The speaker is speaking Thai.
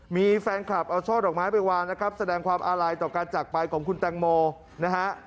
มีแฟนคลับเอาช่อดอกไม้ไปวางนะครับแสดงความอาลัยต่อการจากไปของคุณแตงโมนะฮะ